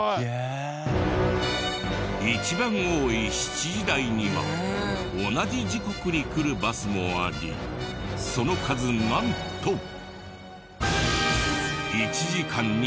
一番多い７時台には同じ時刻に来るバスもありその数なんと。